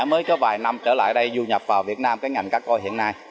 mới có vài năm trở lại đây du nhập vào việt nam cái ngành cá coi hiện nay